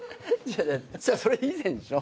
それ以前でしょ。